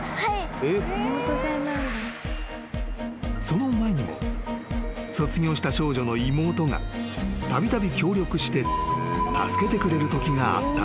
［その前にも卒業した少女の妹がたびたび協力して助けてくれるときがあったのだ］